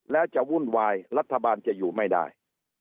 แล้วจะวุ่นวายรัฐบาลจะอยู่ไม่ได้